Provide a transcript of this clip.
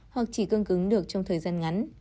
hoặc chỉ cương cứng được trong thời gian ngắn